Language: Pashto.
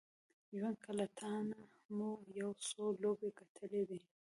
ژونده که له تانه مو یو څو لوبې ګټلې دي